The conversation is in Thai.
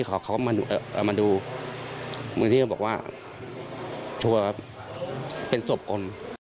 เขามาดูมือที่เค้าบอกว่าชัยครับเป็นสบกล